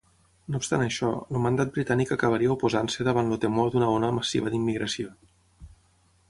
No obstant això, el mandat britànic acabaria oposant-se davant el temor d'una ona massiva d'immigració.